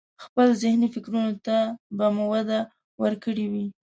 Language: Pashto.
خپل ذهني فکرونو ته به مو وده ورکړي وي.